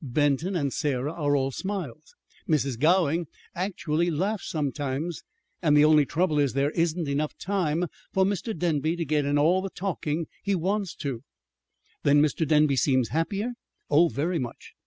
Benton and Sarah are all smiles, Mrs. Gowing actually laughs sometimes, and the only trouble is there isn't time enough for Mr. Denby to get in all the talking he wants to." "Then Mr. Denby seems happier?" "Oh, very much.